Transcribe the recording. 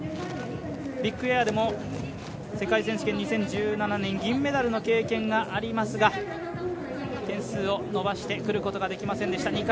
ビッグエアでも世界選手権２０１７年銀メダルの経験がありますが、点数を伸ばしてくることができませんでした。